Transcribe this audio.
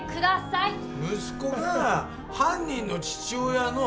息子がさ犯人の父親の。